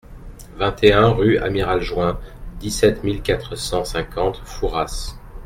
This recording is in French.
vingt et un rue Amiral Juin, dix-sept mille quatre cent cinquante Fouras